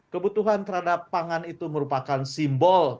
kebutuhan terhadap pangan itu merupakan simbol